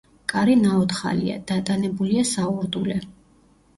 კარი ნაოთხალია; დატანებულია საურდულე.